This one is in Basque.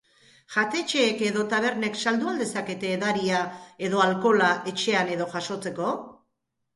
Jatetxeek edo tabernek saldu al dezakete edaria edo alkohola etxean edo jasotzeko?